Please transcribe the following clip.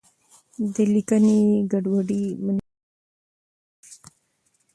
د لیکنې ګډوډي منفي اغېزه لري.